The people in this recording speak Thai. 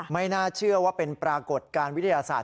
ไม่น่าเชื่อว่าเป็นปรากฏการณ์วิทยาศาสต